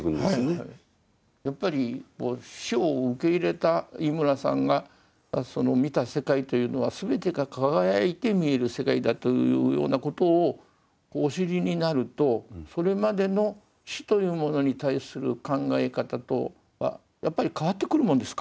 やっぱり死を受け入れた井村さんが見た世界というのは全てが輝いて見える世界だというようなことをお知りになるとそれまでの死というものに対する考え方とはやっぱり変わってくるもんですか。